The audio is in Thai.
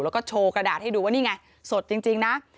แล้วก็โชว์กระดาษให้ดูว่านี่ไงสดจริงนะ